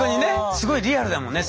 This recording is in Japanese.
すごいリアルだもんね。